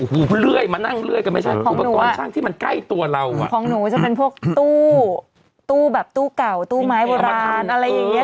ของหนูว่าจะเป็นพวกตู้ตู้แบบตู้เก่าตู้ไม้โบราณอะไรอย่างเงี้ย